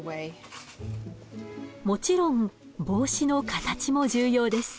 もちろん帽子の形も重要です。